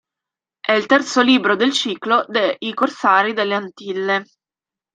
È il terzo libro del ciclo de I Corsari delle Antille.